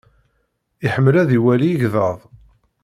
Iḥemmel ad iwali igḍaḍ.